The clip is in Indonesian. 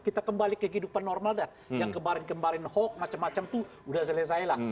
kita kembali kehidupan normal dah yang kemarin kemarin hoax macam macam tuh udah selesai lah